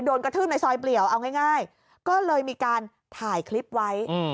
กระทืบในซอยเปลี่ยวเอาง่ายก็เลยมีการถ่ายคลิปไว้